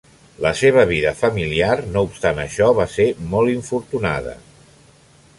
La seva vida familiar, no obstant això, va ser molt infortunada.